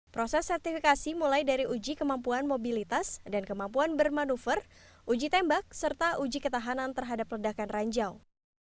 proses sertifikasi mulai dari uji kemampuan mobilitas dan kemampuan bermanuver uji tembak serta uji ketahanan terhadap ledakan ranjau